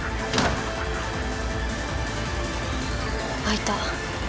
開いた。